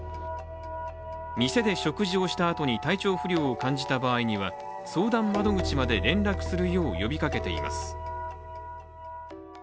店で食事をしたあとに体調不良を感じた場合には相談窓口まで連絡するよう呼びかけています。